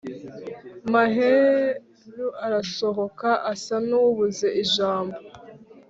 maheru arasohoka asa n'ubuze ijambo